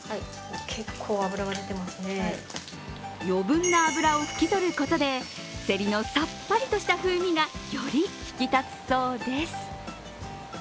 余分な脂を拭き取ることでセリのさっぱりとした風味がより引き立つそうです。